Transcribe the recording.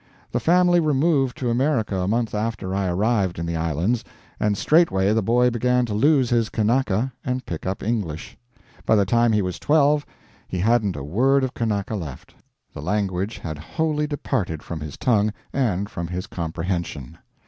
The family removed to America a month after I arrived in the islands, and straightway the boy began to lose his Kanaka and pick up English. By the time he was twelve he hadn't a word of Kanaka left; the language had wholly departed from his tongue and from his comprehension.